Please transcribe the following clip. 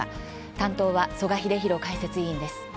担当は曽我英弘解説委員です。